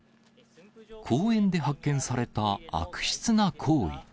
公園で発見された悪質な行為。